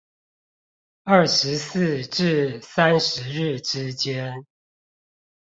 二十四至三十日之間